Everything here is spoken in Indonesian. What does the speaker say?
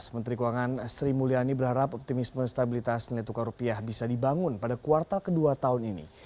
menteri keuangan sri mulyani berharap optimisme stabilitas nilai tukar rupiah bisa dibangun pada kuartal kedua tahun ini